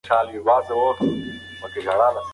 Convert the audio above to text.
دغه ناول د پښتو ادب یوه لویه شتمني ده.